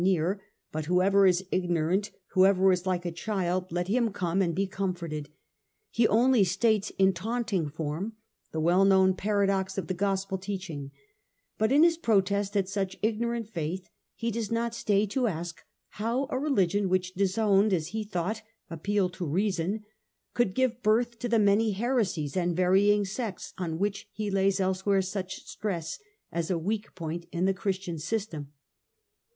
vi near, but whoever is ignorant, whoever is like a child, lei him come and be comforted,* he only states in taunting form the well known paradox of the Gospel teaching; but in his protest at such ignorant faith he does not stay to ask how a religion which disowned, as he thought, appeal to reason, could give birth to the many heresies and vary ing sects on which he lays elsewhere such stress as a weak point in the Christian system.